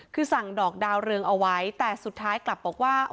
คือสั่งดอกดาวเรืองเอาไว้แต่สุดท้ายกลับบอกว่า